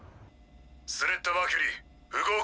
スレッタ・マーキュリー不合格。